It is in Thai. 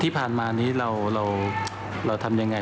ที่ผ่านมานี้เราทำยังไง